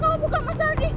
kamu buka mas ardi